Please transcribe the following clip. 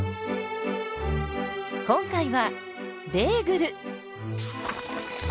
今回はベーグル！